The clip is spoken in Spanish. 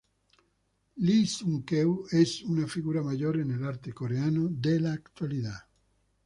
Lee Sung-Keun es una figura mayor en el arte coreano de la actualidad.